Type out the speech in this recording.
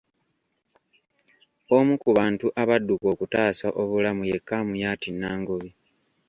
Omu ku bantu abadduka okutaasa obulamu ye Kamuyat Nangobi.